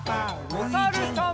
おさるさん。